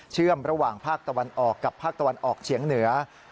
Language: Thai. เชื่อมระหว่างภาคตะวันออกกับภาคตะวันออกเฉียงเหนือ